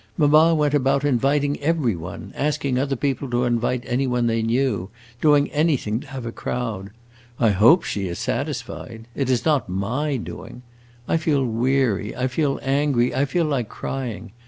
Mamma went about inviting every one, asking other people to invite any one they knew, doing anything to have a crowd. I hope she is satisfied! It is not my doing. I feel weary, I feel angry, I feel like crying.